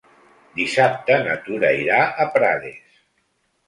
Dissabte na Tura irà a Prades.